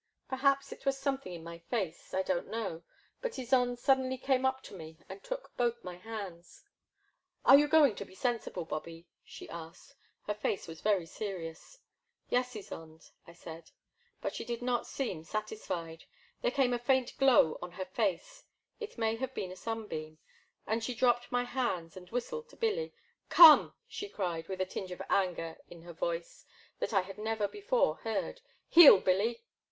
Perhaps it was something in my face — I don't know— ^but Ysonde suddenly came up to me and took both my hands. Are you going to be sensible, Bobby ?" she asked. Her face was very serious. "Yes, Ysonde," I said. But she did not seem satisfied — there came a faint glow on her face — ^it may have been a sun beam — and she dropped my hands and whistled to Billy. Come I " she cried, with a tinge of anger in her voice that I had never before heard, —heel, Billy!"